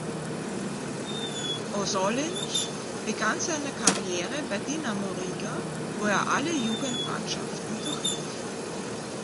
Ozoliņš begann seine Karriere bei Dinamo Riga, wo er alle Jugendmannschaften durchlief.